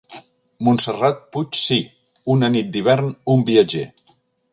Montserrat Puig Si una nit d'hivern un viatger.